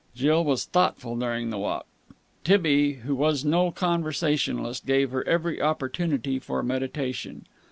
Jill was thoughtful during the walk. Tibby, who was no conversationist, gave her every opportunity for meditation.